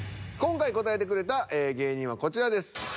今回答えてくれた芸人はこちらです。